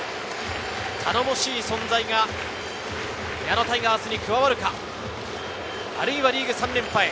頼もしい存在が矢野タイガースに加わるか、あるいはリーグ３連覇へ。